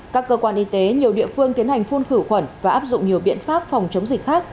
các cơ quan y tế nhiều địa phương tiến hành phun khử khuẩn và áp dụng nhiều biện pháp phòng chống dịch khác